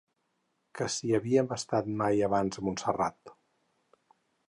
Que si havíem estat mai abans a Montserrat.